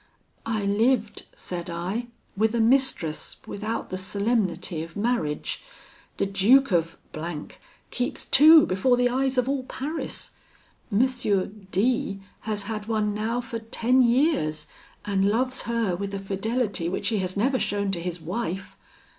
"'I lived,' said I, 'with a mistress without the solemnity of marriage. The Duke of keeps two before the eyes of all Paris. M D has had one now for ten years, and loves her with a fidelity which he has never shown to his wife.